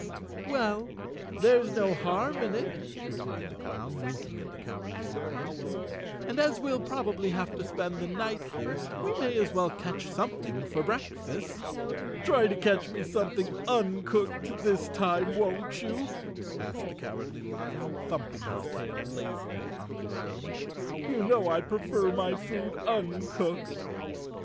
"Well, there's no harm in it," replied the clown, winking at the Cowardly Lion, "and as we'll probably have to spend the night here we may as well catch something for breakfast." "Try to catch me something uncooked this time, won't you?" asked the Cowardly Lion, thumping hi6 148 Chapter Seven tail lazily on the ground. "You know I prefer my food uncooked."